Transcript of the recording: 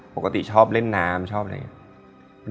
ปกติชอบเล่นน้ำชอบอะไรอย่างนี้